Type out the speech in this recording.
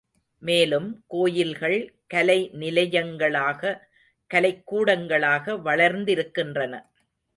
மேலும், கோயில்கள் கலை நிலையங்களாக, கலைக் கூடங்களாக வளர்ந்திருக்கின்றன.